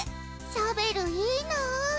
シャベルいいな。